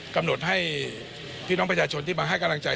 กำหนดให้พี่น้องประชาชนที่มาให้กำลังใจ